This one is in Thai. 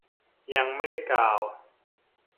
ยังไม่ได้กล่าว